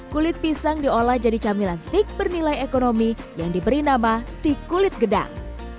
kulit pisang diolah jadi camilan stik bernilai ekonomi yang diberi nama stik kulit gedang